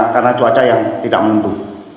karena cuaca yang tidak menentu